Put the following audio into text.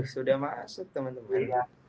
sudah masuk teman teman